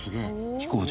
飛行場？